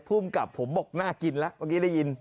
ผู้อำกับผมบอกน่ากินละวันนี้ได้ยิน